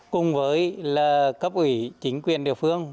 cùng với cấp ủy chính quyền địa phương